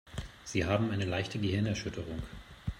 Sie haben eine leichte Gehirnerschütterung.